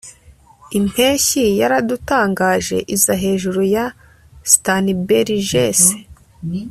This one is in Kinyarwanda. Impeshyi yaradutangaje iza hejuru ya Starnbergersee